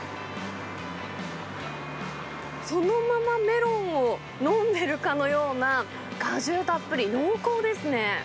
そのままメロンを飲んでるかのような、果汁たっぷり、濃厚ですね。